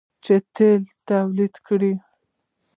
چې تیل تولید کړي.